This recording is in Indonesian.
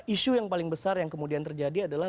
isu yang paling besar yang kemudian terjadi adalah